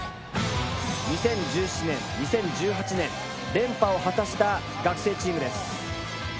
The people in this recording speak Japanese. ２０１７年２０１８年連覇を果たした学生チームです。